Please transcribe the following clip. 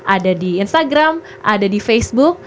ada di instagram ada di facebook